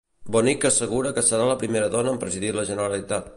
Bonig augura que serà la primera dona en presidir la Generalitat.